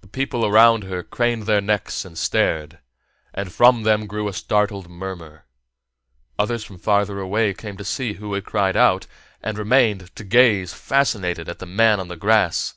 The people around her craned their necks and stared, and from them grew a startled murmur. Others from farther away came to see who had cried out, and remained to gaze fascinated at the man on the grass.